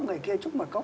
người kia chúc một cốc